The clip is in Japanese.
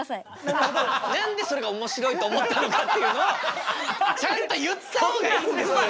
何でそれがおもしろいと思ったのかっていうのをちゃんと言った方がいいんですよ。